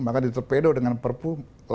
maka diterpedo dengan perpu